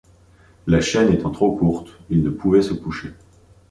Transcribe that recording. La chaîne étant trop courte, ils ne pouvaient se coucher.